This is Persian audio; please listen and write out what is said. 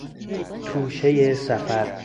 توشهی سفر